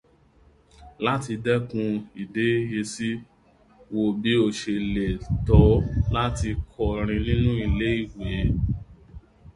Láti dẹ́kun ìdẹ́yẹsí, wo bí ó ṣe le tó láti kọrin nínú ilé ìwẹ̀